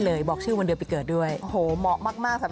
เรื่องของโชคลาบนะคะ